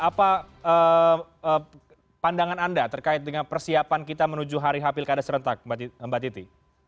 apa pandangan anda terkait dengan persiapan kita menuju hari h pilkada serentak mbak titi